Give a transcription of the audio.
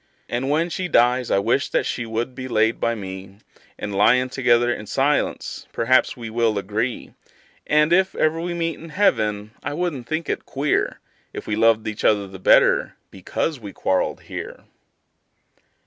And when she dies I wish that she would be laid by me, And, lyin' together in silence, perhaps we will agree; And, if ever we meet in heaven, I wouldn't think it queer If we loved each other the better because we quarreled here.